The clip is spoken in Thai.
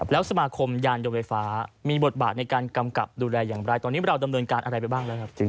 แล้วสมาคมยานยนต์ไฟฟ้ามีบทบาทในการกำกับดูแลอย่างไรตอนนี้เราดำเนินการอะไรไปบ้างแล้วครับ